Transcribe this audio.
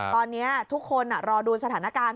ตอนนี้ทุกคนรอดูสถานการณ์